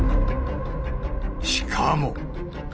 しかも。